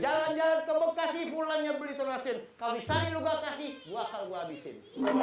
jalan jalan ke bekasi pulangnya beli tenasin kau bisa di lugakasi gua akan gua habisin